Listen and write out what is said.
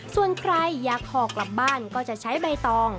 ส่วนใครอยากห่อกลับบ้านก็จะใช้ใบตอง